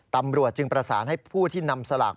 ตำรวจจึงประสานให้ผู้ที่นำสลาก